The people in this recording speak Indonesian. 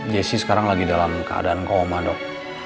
jessi sekarang lagi dalam keadaan koma dok